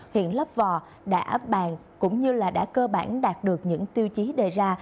huyện lấp vò đã bàn cũng như là đã cơ bản đạt được những tiêu chí đề ra